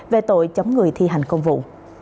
về tội chống người thi hành công vụ